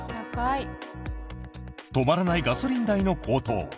止まらないガソリン代の高騰。